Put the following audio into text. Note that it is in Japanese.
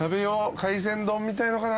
海鮮丼みたいのかな。